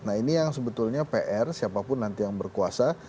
nah ini yang sebetulnya pr siapapun nanti yang berkuasa